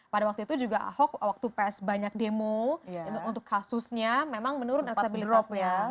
pada waktu itu juga ahok waktu ps banyak demo untuk kasusnya memang menurun elektabilitasnya